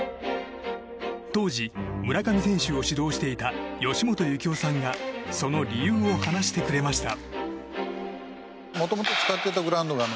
当時、村上選手を指導していた吉本幸夫さんがその理由を話してくれました。